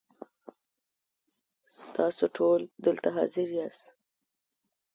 ستاسو ټول دلته حاضر یاست .